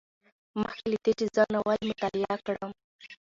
مخکې له دې چې زه ناول مطالعه کړم